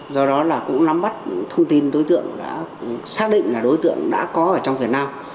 do đó là cũng nắm bắt thông tin đối tượng đã xác định là đối tượng đã có ở trong việt nam